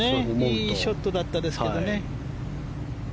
いいショットだったですけどね。